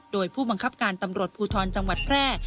โดยผู้บังคับการตำรวจภูทรจภรรย์